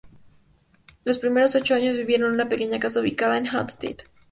Los primeros ocho años vivieron en una pequeña casa ubicada en Hampstead.